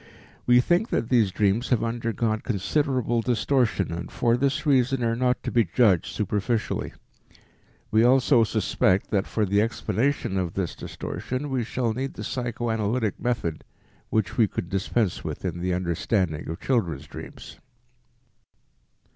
We think that these dreams have undergone considerable distortion and for this reason are not to be judged superficially. We also suspect that for the explanation of this distortion we shall need the psychoanalytic method which we could dispense with in the understanding of children's dreams.